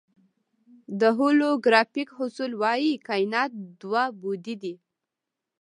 د هولوګرافیک اصول وایي کائنات دوه بعدی دی.